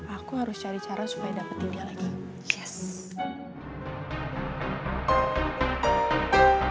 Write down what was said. aku harus cari cara supaya dapetin dia lagi shess